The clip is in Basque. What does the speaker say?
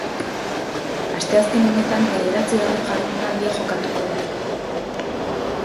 Asteazken honetan bederatzigarren jardunaldia jokatuko da.